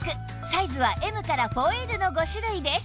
サイズは Ｍ から ４Ｌ の５種類です